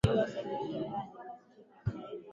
Anaendesha gari kwa kasi.